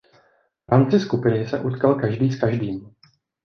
V rámci skupiny se utkal každý s každým.